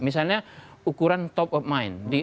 misalnya ukuran top of mind